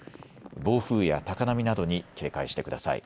暴風や高波などに警戒してください。